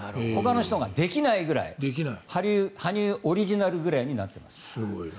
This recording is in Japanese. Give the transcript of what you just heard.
ほかの人ができないぐらい羽生オリジナルぐらいになっています。